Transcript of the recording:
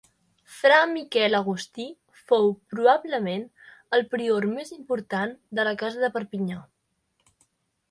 Fra Miquel Agustí fou probablement el prior més important de la casa de Perpinyà.